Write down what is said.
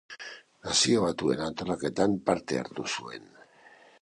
Nazio Batuen antolaketan parte hartu zuen.